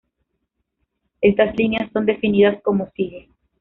Estas líneas son definidas como sigue.